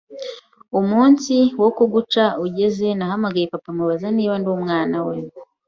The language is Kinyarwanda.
umunsi wo kuguca ugeze nahamagaye papa mubaza niba ndi umwana we,